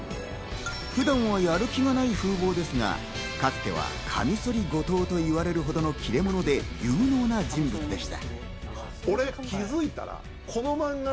普段はやる気がない風貌ですが、かつてはカミソリ後藤と呼ばれるほどの切れ者で、有能な人物でした。